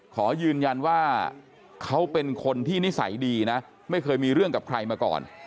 ขอยืนยันว่าเขาเป็นคนที่นิสัยดีนะไม่เคยมีเรื่องกับใครมาก่อน